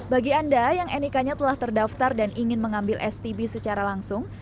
bagi anda yang nik nya telah terdaftar dan ingin mengambil stb secara langsung